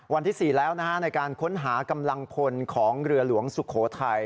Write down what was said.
วันที่๔แล้วในการค้นหากำลังพลของเรือหลวงสุโขทัย